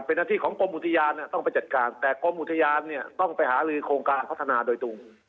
เป็นหน้าที่ของกรมอุทยานต้องไปจัดการแต่กรมอุทยานเนี่ยต้องไปหาลือโครงการพัฒนาโดยตรง